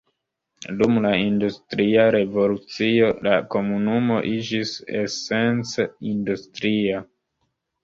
Dum la Industria Revolucio la komunumo iĝis esence industria.